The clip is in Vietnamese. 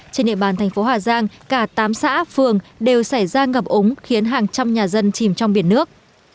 trên địa bàn thành phố hà giang cả tám xã phường đều xảy ra ngập úng khiến hàng trăm nhà dân chìm trong biển nước